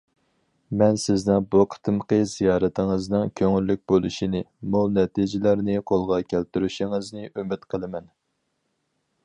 مەن سىزنىڭ بۇ قېتىمقى زىيارىتىڭىزنىڭ كۆڭۈللۈك بولۇشىنى، مول نەتىجىلەرنى قولغا كەلتۈرۈشىڭىزنى ئۈمىد قىلىمەن.